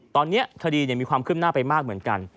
ตอนนี้คดีมีความขึ้นหน้าไปมากเหมือนกัน